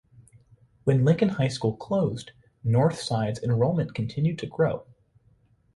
When Lincoln High School closed, Northside's enrollment continued to grow.